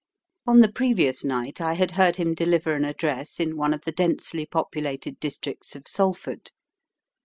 On the previous night I had heard him deliver an address in one of the densely populated districts of Salford.